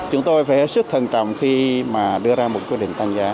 chúng tôi phải hết sức thân trọng khi mà đưa ra một quy định tăng giá